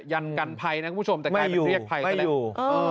ยันตร์กันภัยนะคุณผู้ชมแต่กลายเป็นเรียกภัยก็แหละไม่อยู่ไม่อยู่